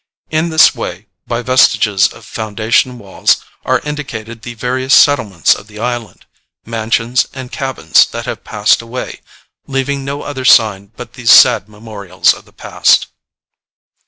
In this way, by vestiges of foundation walls, are indicated the various settlements of the island mansions and cabins that have passed away, leaving no other sign but these sad memorials of the past.